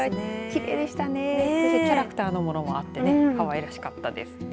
キャラクターのものもあってかわいらしかったですね。